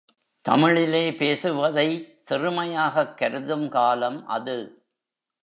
தமிழிலே பேசுவதை சிறுமையாகக் கருதும் காலம் அது.